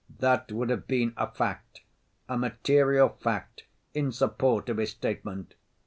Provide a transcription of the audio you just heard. that would have been a fact, a material fact in support of his statement!